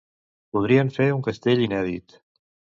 Podrien fer un castell inèdit.